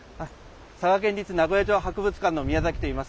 佐賀県立名護屋城博物館の宮崎といいます。